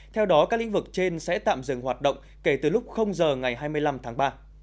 theo đó các lĩnh vực trên sẽ tạm dừng hoạt động kể từ lúc giờ ngày hai mươi năm tháng ba